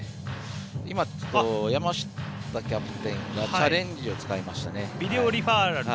山下キャプテンがチャレンジを使いましたね。